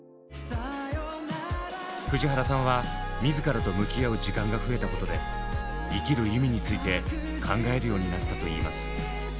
藤原さんは自らと向き合う時間が増えたことで「生きる意味」について考えるようになったといいます。